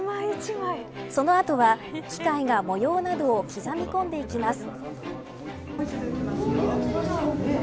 その後は、機械が模様などを刻み込んでいきます。